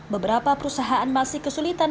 beberapa perusahaan masih kesulitan